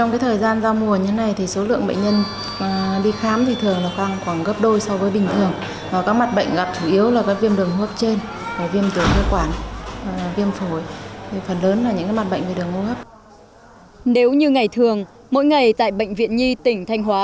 nếu như ngày thường mỗi ngày tại bệnh viện nhi tỉnh thanh hóa